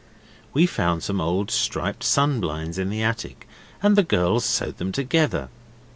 We found some old striped sun blinds in the attic, and the girls sewed them together.